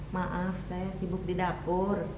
maaf saya sibuk di dapur